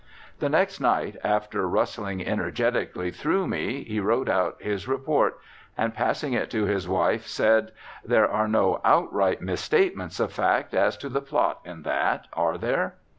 The next night, after rustling energetically through me, he wrote out his report, and, passing it to his wife, said: "There are no outright mis statements of fact as to the plot in that, are there?"